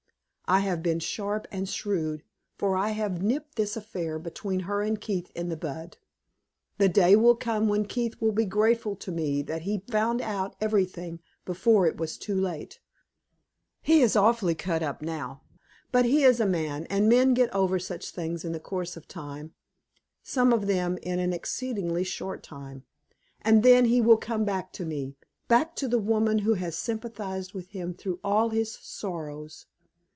I have been sharp and shrewd, for I have nipped this affair between her and Keith in the bud. The day will come when Keith will be grateful to me that he found out everything before it was too late. He is awfully cut up now, but he is a man, and men get over such things in the course of time some of them in an exceedingly short time and then he will come back to me back to the woman who has sympathized with him through all his sorrows.